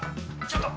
ちょっと！